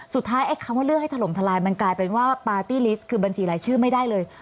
ไอ้คำว่าเลือกให้ถล่มทลายมันกลายเป็นว่าปาร์ตี้ลิสต์คือบัญชีรายชื่อไม่ได้เลย